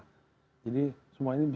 dan yang lainnya perubahan dari